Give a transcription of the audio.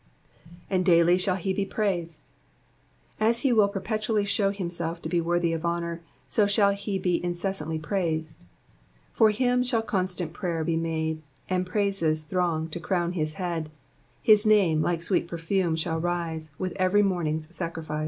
A»d daily sliall he be praised.'*^ As e will perpetually show himself to be worthy of honour, so shall he be in cessantly praised :—'* For him shall constant prayer be made, And praises ibronf; to crown his bead ; HiA nume, like sweet perfume, shall rise With every momin^'d sacriAcu."